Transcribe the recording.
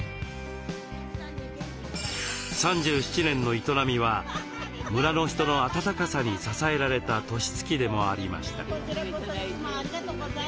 ３７年の営みは村の人の温かさに支えられた年月でもありました。